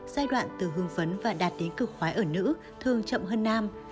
giai đoạn từ hương phấn và đạt đến cực khoái ở nữ thường chậm hơn nam